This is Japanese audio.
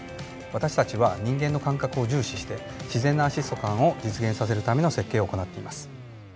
私たちは人間の感覚を重視して自然なアシスト感を実現させるための設計を行っています。